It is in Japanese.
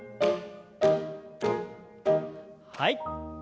はい。